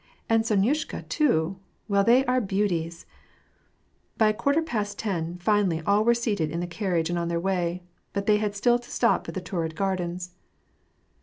" And Sonyushka too ; well, they are beauties !" By quarter past ten, finally, all were seated in the carriage ^ and on their way. But they had still to stop at the Taurid Gardens.